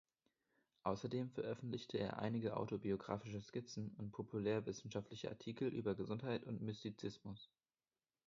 Außerdem veröffentlichte er einige autobiografische Skizzen und populärwissenschaftliche Artikel über Gesundheit und Mystizismus.